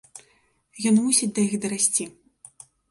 Ён мусіць да іх дарасці!